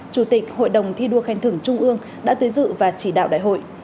chủ tịch hội đồng thi đua khen thưởng trung ương đã tới dự và chỉ đạo đại hội